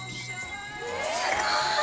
すごい。